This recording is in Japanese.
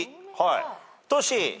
トシ。